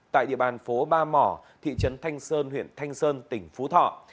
tại địa bàn phố ba mỏ thị trấn thanh sơn huyện thanh sơn tỉnh phú thọ